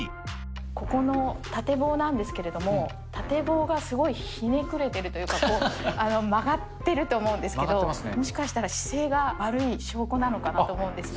ここの縦棒なんですけれども、縦棒がすごいひねくれてるというか、曲がってると思うんですけれども、もしかしたら姿勢が悪い証拠なのかなと思うんですが。